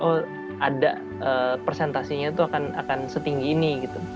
oh ada persentasinya itu akan setinggi ini gitu